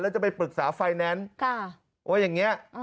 แล้วจะไปปรึกษาไฟแนนซ์ค่ะว่าอย่างเงี้ยอ่า